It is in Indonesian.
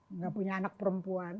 nggak punya anak perempuan